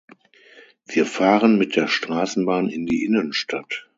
Wir fahren mit der Straßenbahn in die Innenstadt.